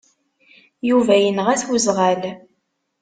Yuba yenɣa-t uẓɣal.